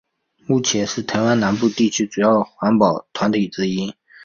目前是台湾南部地区主要的环保团体之一。